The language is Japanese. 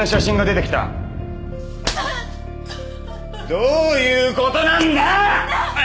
どういう事なんだ！？